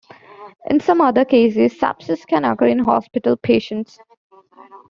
In some other cases, sepsis can occur in hospital patients.